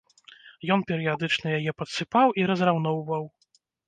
Ён перыядычна яе падсыпаў і разраўноўваў.